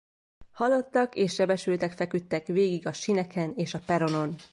Halottak és sebesültek feküdtek végig a síneken és a peronon.